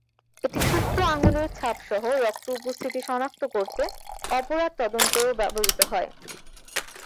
এটি সুপ্ত আঙ্গুলের ছাপসহ রক্ত উপস্থিতি সনাক্ত করতে অপরাধ তদন্তেও ব্যবহৃত হয়।